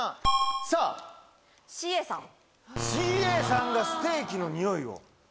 ＣＡさんがステーキのにおいを機内で。